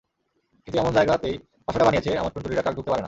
কিন্তু এমন জায়গাতেই বাসাটা বানিয়েছে আমার টুনটুনিরা, কাক ঢুকতে পারে না।